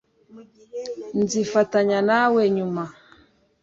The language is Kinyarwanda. nzifatanya nawe nyuma